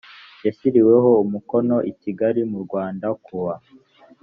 yashyiriweho umukono i kigali mu rwanda ku wa